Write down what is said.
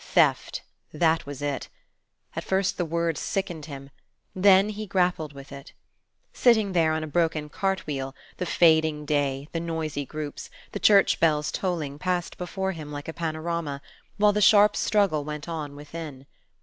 Theft! That was it. At first the word sickened him; then he grappled with it. Sitting there on a broken cart wheel, the fading day, the noisy groups, the church bells' tolling passed before him like a panorama, while the sharp struggle went on within.